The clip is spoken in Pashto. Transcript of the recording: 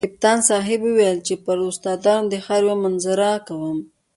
کپتان صاحب ویل چې پر استادانو د ښار یوه منظره کوم.